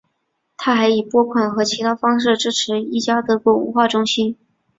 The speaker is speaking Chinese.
他还以拨款和其他方式支持一家德国文化中心。